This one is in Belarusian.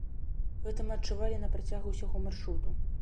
Гэта мы адчувалі на працягу ўсяго маршруту.